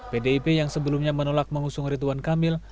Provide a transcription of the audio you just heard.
pdip yang sebelumnya menolak mengusung rituan kamil